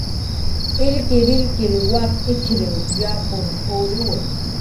"Illkirillkir wak""iw yapur puriwi"